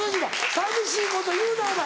寂しいこと言うなよお前。